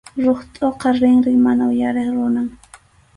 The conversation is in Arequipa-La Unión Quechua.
Ruqtʼuqa rinrin mana uyariq runam.